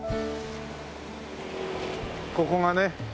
ここがね